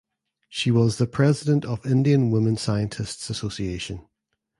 She was the president of Indian Women Scientists’ Association.